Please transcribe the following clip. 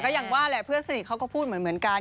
แต่อยากว่าเพื่อนสนิทเขาก็พูดเหมือนกัน